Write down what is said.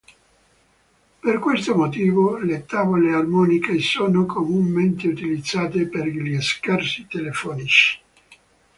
Per questo motivo, le tavole armoniche sono comunemente utilizzate per gli scherzi telefonici.